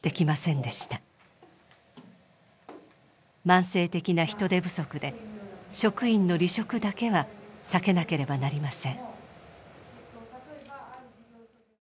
慢性的な人手不足で職員の離職だけは避けなければなりません。